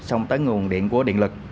xong tới nguồn điện của điện lực